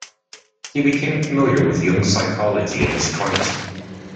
He became familiar with Jung's psychology in his twenties.